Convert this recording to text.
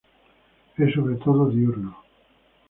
Es sobre todo diurno.